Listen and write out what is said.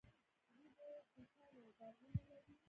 دوی د توتانو باغونه لري.